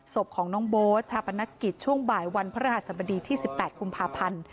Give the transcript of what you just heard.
ศพของน้องโบ๊ทชาปนกิจช่วงบ่ายวันพระรหัสบดีที่๑๘กุมภาพันธ์